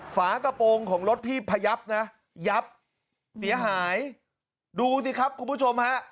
ฝากระโปรงของรถพี่พยับนะยับเสียหายดูสิครับคุณผู้ชมฮะ